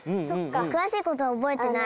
くわしいことはおぼえてない。